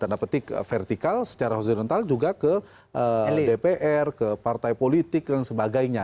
tanda petik vertikal secara horizontal juga ke dpr ke partai politik dan sebagainya